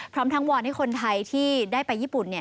พร้อมทั้งวอนให้คนไทยที่ได้ไปญี่ปุ่น